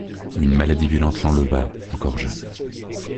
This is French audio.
Une maladie violente l’enleva, encore jeune.